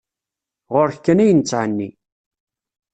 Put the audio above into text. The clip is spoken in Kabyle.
Ɣur-k kan ay nettɛenni.